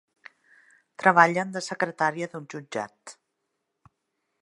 Treballen de secretària d'un jutjat.